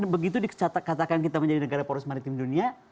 begitu dikatakan kita menjadi negara poros maritim dunia